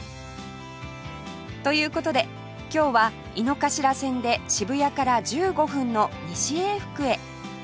という事で今日は井の頭線で渋谷から１５分の西永福へ